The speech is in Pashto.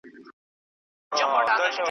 په هرګل کي یې مخ وینم په هر نظم کي جانان دی .